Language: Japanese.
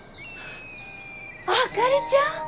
あかりちゃん！？